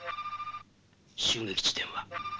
襲撃地点は？